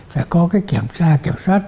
phải có cái kiểm tra kiểm soát